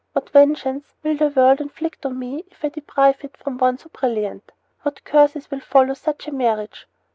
What vengeance will the world inflict on me if I deprive it of one so brilliant? What curses will follow such a marriage?